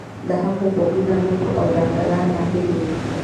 د هغه غوږونه نه وو او ډاکتران ناهيلي وو.